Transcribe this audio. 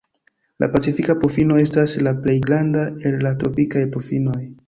La Pacifika pufino estas la plej granda el la tropikaj pufinoj.